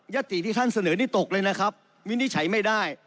ติที่ท่านเสนอนี่ตกเลยนะครับวินิจฉัยไม่ได้